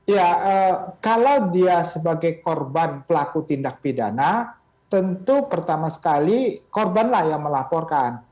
ya kalau dia sebagai korban pelaku tindak pidana tentu pertama sekali korbanlah yang melaporkan